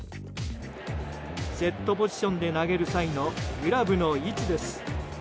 セットポジションで投げる際のグラブの位置です。